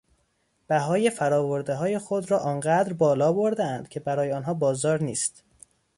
بهای فراوردههای خود را آنقدر بالابردهاند که برای آنها بازار نیست.